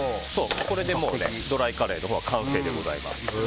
これで、もうドライカレーの完成でございます。